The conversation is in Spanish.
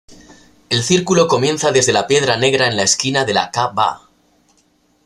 El círculo comienza desde la Piedra Negra en la esquina de la Ka-bah.